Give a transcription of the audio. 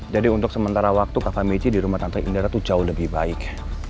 jadi untuk sementara waktu kakak mici di rumah tante indira tuh jauh lebih baik